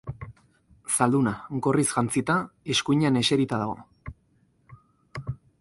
Zalduna, gorriz jantzita, eskuinean eserita dago.